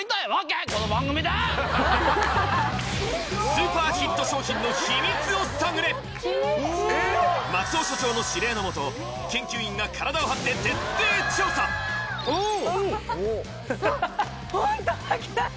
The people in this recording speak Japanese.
スーパーヒット商品の秘密を探れ松尾所長の指令のもと研究員が体を張って徹底調査おおおお！